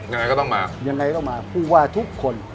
ยังไงก็ต้องมายังไงต้องมาผู้ว่าทุกคน